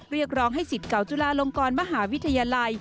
เรียกร้องให้สิทธิ์เก่าจุฬาลงกรมหาวิทยาลัย